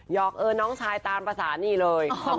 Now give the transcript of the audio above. อกเออน้องชายตามภาษานี่เลย